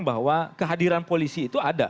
bahwa kehadiran polisi itu ada